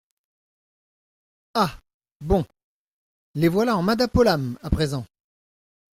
Ah ! bon ! les voilà en madapolam, à présent.